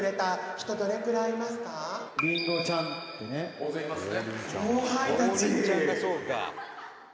「大勢いますね」